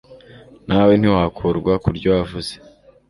Na we ntiwakurwa ku ryo wavuze,